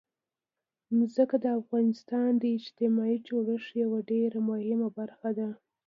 ځمکه د افغانستان د اجتماعي جوړښت یوه ډېره مهمه برخه ده.